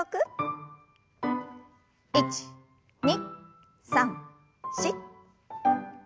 １２３４。